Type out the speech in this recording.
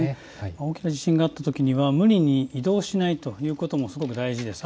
大きな地震があったときには無理に移動しないということもすごく大事です。